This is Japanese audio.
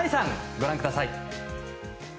ご覧ください。